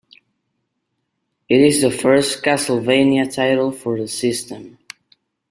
It is the first "Castlevania" title for the system.